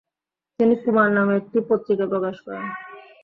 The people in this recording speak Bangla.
তিনি কুমার নামে একটি পত্রিকা প্রকাশ করেন।